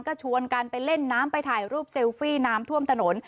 ก็ชวนกันไปเล่นน้ำไปถ่ายรูปเซลฟี่น้ำท่วมถนน